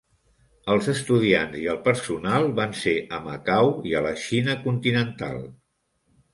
Els estudiants i el personal van ser a Macau i a la Xina continental.